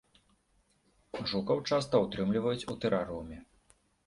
Жукаў часта ўтрымліваюць у тэрарыуме.